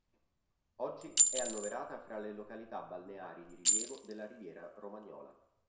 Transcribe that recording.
Oggi è annoverata fra le località balneari di rilievo della riviera romagnola.